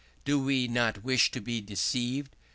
We do not wish to be deceived.